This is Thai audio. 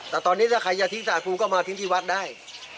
แต่ตอนนี้ถ้าใครจะทิ้งสาครูก็มาทิ้งที่วัดได้